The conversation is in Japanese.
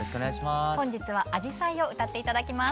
本日は「あじさい」を歌って頂きます。